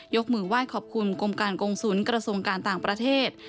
มือไหว้ขอบคุณกรมการกงศูนย์กระทรวงการต่างประเทศ